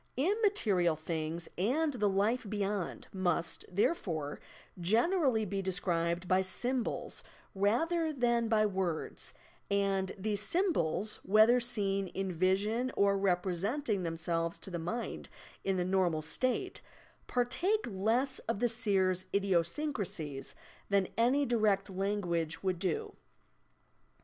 Immaterial things and the life beyond must, therefore, generally be described by sjTnbols rather than by words, and these symbols (whether seen in vision or representing themselves to the mind in the normal state) partake lesa of the seer's idiosyncrasies than any direct language would do.